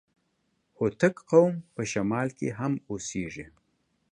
هوتک قوم په شمال کي هم اوسېږي.